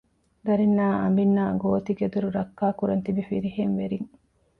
ދަރިންނާއި އަނބިންނާއި ގޯތިގެދޮރު ރައްކާ ކުރަން ތިބި ފިރިހެންވެރިން